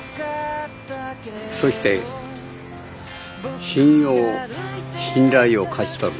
そして信用信頼を勝ち取る。